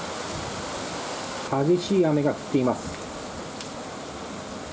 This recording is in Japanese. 激しい雨が降っています。